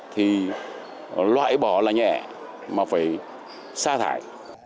thì loại bỏ là nhẹ mà phải xa thải